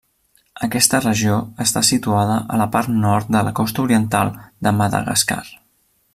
Aquesta regió està situada a la part nord de la costa oriental de Madagascar.